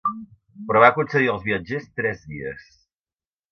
Però va concedir als viatgers tres dies.